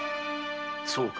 そうか。